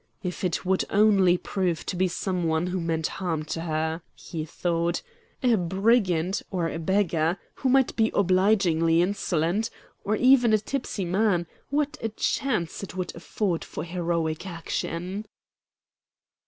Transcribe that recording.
"If it would only prove to be some one who meant harm to her," he thought "a brigand, or a beggar, who might be obligingly insolent, or even a tipsy man, what a chance it would afford for heroic action!"